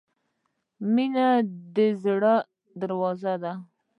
• مینه د زړۀ درزا ده.